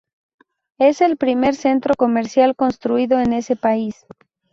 Es el primer centro comercial construido en ese país.